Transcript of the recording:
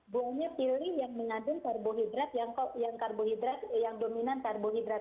buahnya pilih yang mengandung karbohidrat yang dominan karbohidrat